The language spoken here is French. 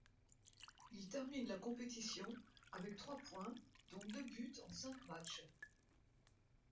Il termine la compétition avec trois points dont deux buts en cinq matchs.